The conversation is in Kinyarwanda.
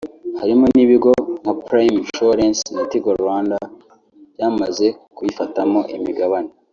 harimo n’ibigo nka Prime Insurance na Tigo Rwanda byamaze kuyifatamo imigabane